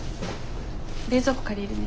冷蔵庫借りるね。